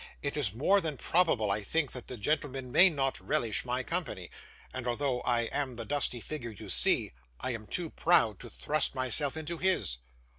It is more than probable, I think, that the gentleman may not relish my company; and although I am the dusty figure you see, I am too proud to thrust myself into his.